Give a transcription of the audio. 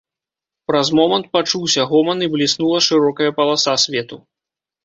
Праз момант пачуўся гоман і бліснула шырокая паласа свету.